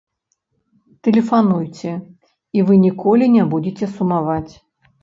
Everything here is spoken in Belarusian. Тэлефануйце, і вы ніколі не будзеце сумаваць!